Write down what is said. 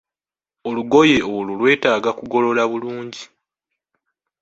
Olugoye olwo lwetaaga kugolola bulungi.